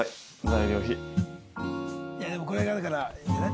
いやでもこれがだからいいんじゃない？